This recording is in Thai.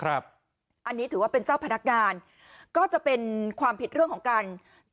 อันนี้ถือว่าเป็นเจ้าพนักงานก็จะเป็นความผิดเรื่องของการ